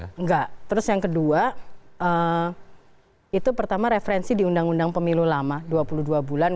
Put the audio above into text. enggak terus yang kedua itu pertama referensi di undang undang pemilu lama dua puluh dua bulan